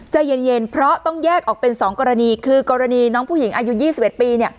ใจเย็นเย็นเพราะต้องแยกออกเป็นสองกรณีคือกรณีน้องผู้หญิงอายุยี่สิบเอ็ดปีเนี้ย